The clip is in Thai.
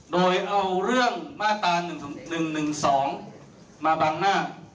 โดยเอาเรื่องมาตรา๑๑๒มาบังหน้า